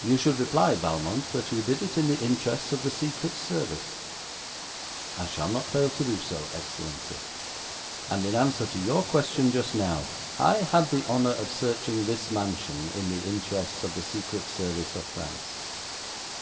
'You should reply, Valmont, that you did it in the interests of the Secret Service.' 'I shall not fail to do so, Excellency, and in answer to your question just now, I had the honour of searching this mansion in the interests of the Secret Service of France.'